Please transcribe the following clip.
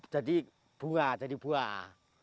jadi bunga jadi buah